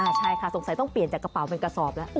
ใช่ค่ะสงสัยต้องเปลี่ยนจากกระเป๋าเป็นกระสอบแล้ว